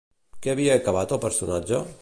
Què havia acabat el personatge?